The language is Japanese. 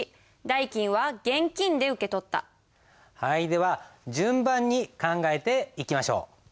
では順番に考えていきましょう。